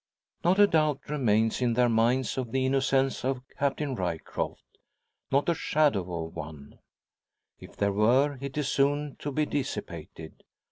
Not a doubt remains in their minds of the innocence of Captain Ryecroft not the shadow of one. If there were, it is soon to be dissipated.